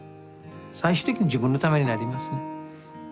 最終的に自分のためになりますね。